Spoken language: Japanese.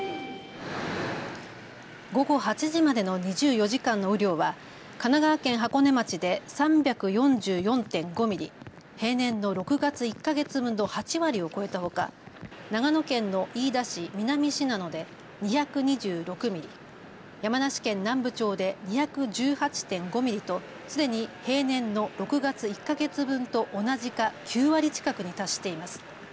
午後８時までの２４時間の雨量は神奈川県箱根町で３４４．５ミリ、平年の６月１か月分の８割を超えたほか長野県の飯田市南信濃で２２６ミリ、山梨県南部町で２１８．５ミリとすでに平年の６月１か月分と同じか９割近くに達しています。